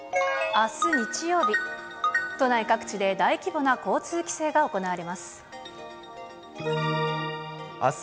あす日曜日、都内各地で大規模な交通規制が行われます。